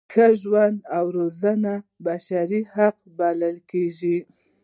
ښه ژوند او روزنه یې بشري حق وبولو.